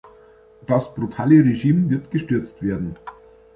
Das brutale Regime wird gestürzt werden.